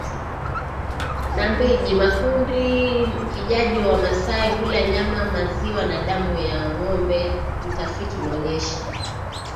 na mbilj Maakuli Kijadi Wamasai hula nyama maziwa na damu ya ngombe Utafiti unaonyesha